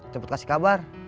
cepet kasih kabar